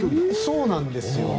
そうなんですよね。